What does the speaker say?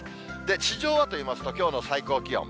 地上はといいますと、きょうの最高気温。